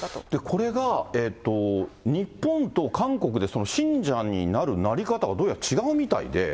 これが日本と韓国で、信者になるなり方が、どうやら違うみたいで。